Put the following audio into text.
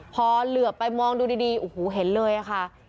พอเหลือไปมองดูดีโอ้โหเห็นเลยค่ะ